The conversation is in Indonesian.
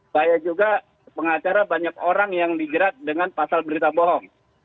saya juga pengacara banyak orang yang dijerat dengan pasal berita bohong